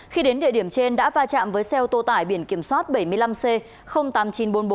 khi đến địa điểm trên đã va chạm với xe ô tô tải biển kiểm soát bảy mươi năm c tám nghìn chín trăm bốn mươi bốn